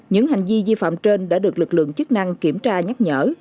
những hành vi di phạm trên đã được lực lượng chức năng kiểm tra nhắc nhở